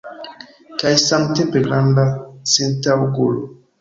Kaj samtempe granda sentaŭgulo!